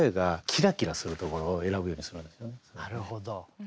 なるほど。